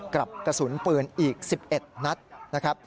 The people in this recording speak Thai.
กับกระสุนปืนอีก๑๑นัก